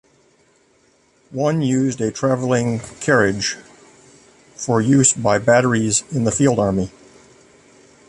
One used a travelling carriage, for use by batteries in the field army.